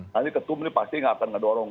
nanti ketum ini pasti nggak akan ngedorong